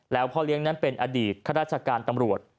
แล้วพ่อเลี้ยงนั้นเป็นอดีตข้าราชการตำรวจ